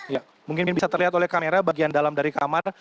ya mungkin bisa terlihat oleh kamera bagian dalam dari kamar